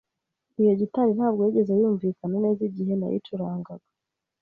Iyo gitari ntabwo yigeze yumvikana neza igihe nayicurangaga.